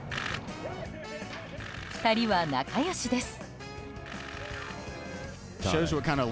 ２人は仲良しです。